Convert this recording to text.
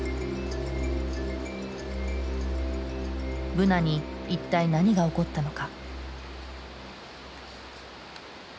ブナに一体何が起こったのか？